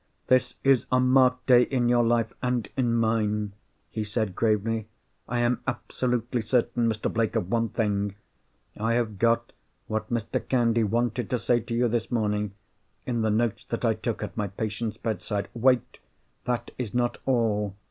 "This is a marked day in your life, and in mine," he said, gravely. "I am absolutely certain, Mr. Blake, of one thing—I have got what Mr. Candy wanted to say to you this morning, in the notes that I took at my patient's bedside. Wait! that is not all.